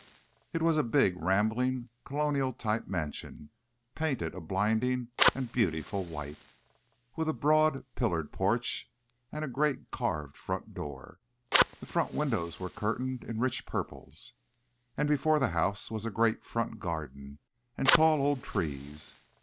It was a big, rambling, Colonial type mansion, painted a blinding and beautiful white, with a broad, pillared porch and a great carved front door. The front windows were curtained in rich purples, and before the house was a great front garden, and tall old trees.